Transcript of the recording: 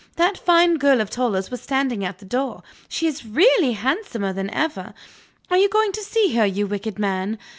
That fine girl of Toller's was standing at the door. She is really handsomer than ever. Are you going to see her, you wicked man?